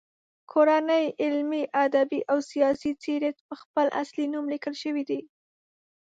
کورنۍ علمي، ادبي او سیاسي څیرې په خپل اصلي نوم لیکل شوي دي.